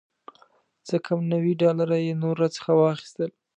څه کم نوي ډالره یې نور راڅخه واخیستل.